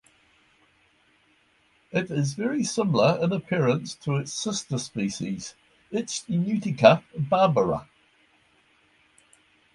It is very similar in appearance to its sister species Ichneutica barbara.